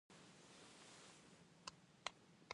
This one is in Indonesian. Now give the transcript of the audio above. Tom ditahan atas tuduhan perdagangan narkoba.